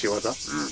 うん。